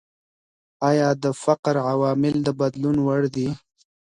ايا د فقر عوامل د بدلون وړ دي؟